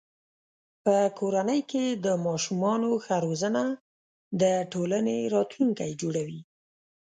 په کورنۍ کې د ماشومانو ښه روزنه د ټولنې راتلونکی جوړوي.